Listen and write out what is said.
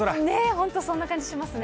本当、そんな感じしますね。